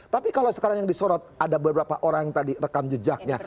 tapi kalau sekarang yang disorot ada beberapa orang yang tadi rekam jejaknya